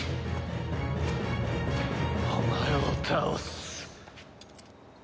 お前を倒す。